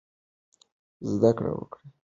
زده کړه ښځه د خپل کاروبار لپاره مالي تصمیم نیسي.